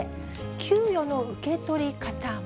給与の受け取り方も。